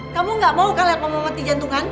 kamu gak mau kalian lihat mama mati jantungan